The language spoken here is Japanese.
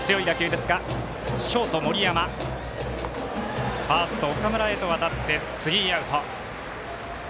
ショート、森山ファースト、岡村へと渡ってスリーアウト。